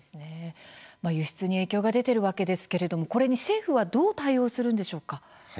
輸出に影響が出ているわけですがこれに政府はどう対応するんでしょうか。